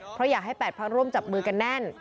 เพราะอยากให้๘พักร่วมจับมือกันแน่น